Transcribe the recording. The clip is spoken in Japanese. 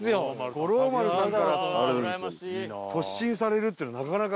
五郎丸さんから突進されるっていうのなかなか。